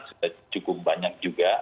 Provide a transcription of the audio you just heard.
sudah cukup banyak juga